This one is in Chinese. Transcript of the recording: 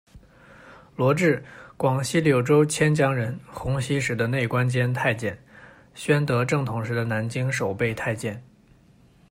罗智，广西柳州迁江人，洪熙时的内官监太监，宣德、正统时的南京守备太监。